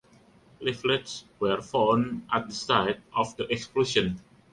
Leaflets were found at the site of the explosion.